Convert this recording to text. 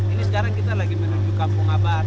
ini sekarang kita lagi menuju kampung abar